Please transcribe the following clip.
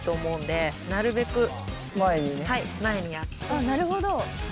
あっなるほど。